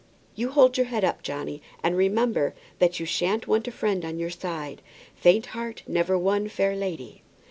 You hold your head up, Johnny, and remember that you shan't want a friend on your side. Faint heart never won fair lady."